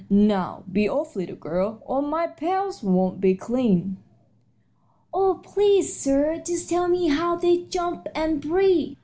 Now, be off, little girl, or my pails won't be clean." "Oh, please, sir, just tell me how they jump and breathe."